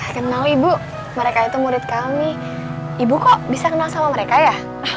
kenal ibu mereka itu murid kami ibu kok bisa kenal sama mereka ya